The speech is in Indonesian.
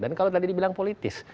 dan kalau tadi dibilang politis